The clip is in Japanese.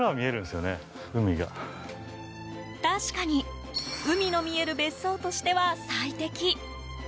確かに海の見える別荘としては最適。